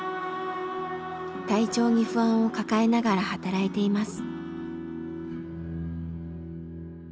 体調に不安を抱えながら働いています。